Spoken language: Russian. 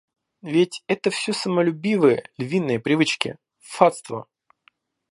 Ведь это все самолюбивые, львиные привычки, фатство.